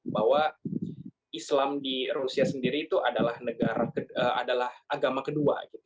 bahwa islam di rusia sendiri itu adalah agama kedua